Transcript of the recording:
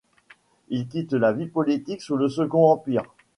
Il quitte la vie politique sous le Second Empire.